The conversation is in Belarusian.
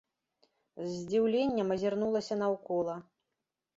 З здзіўленнем азірнулася наўкола.